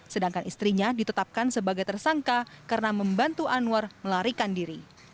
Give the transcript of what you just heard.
sedangkan istrinya ditetapkan sebagai tersangka karena membantu anwar melarikan diri